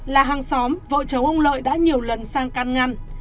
là hàng xóm vội chống ông lợi đã nhiều lần sang can ngăn